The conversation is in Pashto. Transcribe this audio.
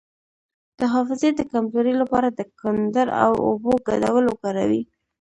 د حافظې د کمزوری لپاره د کندر او اوبو ګډول وکاروئ